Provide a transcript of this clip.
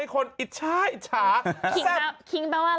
กิวว่าหินช้า